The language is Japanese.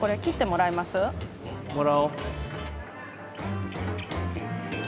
もらおう。